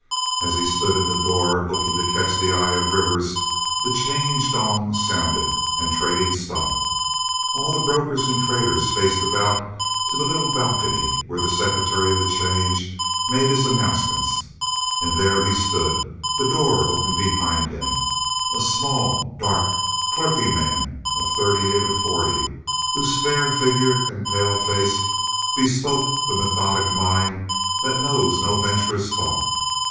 As he stood in the door looking to catch the eye of Rivers, the 'change gong sounded, and trading stopped. All the brokers and traders faced about to the little balcony, where the secretary of the 'change made his announcements; and there he stood, the door open behind him, a small, dark, clerkly man of thirty eight or forty, whose spare figure and pale face bespoke the methodic mind that knows no venturous thought.